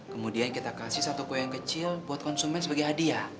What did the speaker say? kemudian kita kasih satu kue yang kecil buat konsumen sebagai hadiah